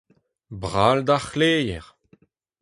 Brall d’ar c’hleier !